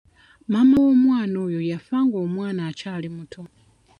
Maama w'omwana oyo yafa nga omwana akyali muto.